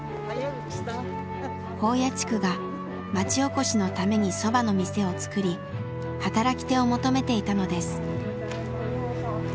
宝谷地区が町おこしのためにそばの店を作り働き手を求めていたのです。